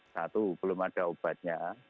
satu belum ada obatnya